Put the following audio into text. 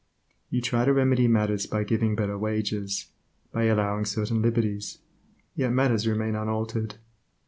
You try to remedy matters by giving better wages, and by allowing certain liberties, yet matters remain unaltered.